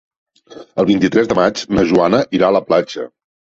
El vint-i-tres de maig na Joana irà a la platja.